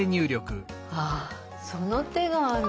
あその手があるの。